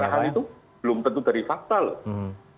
kalau pencerahan itu belum tentu dari fakta loh